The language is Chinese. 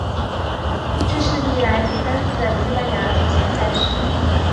这是历来第三次在西班牙举行赛事。